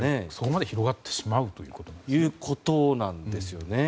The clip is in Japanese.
そこまで広がってしまうということなんでしょうか。